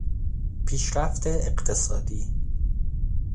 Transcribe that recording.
پیشرفت اقتصادی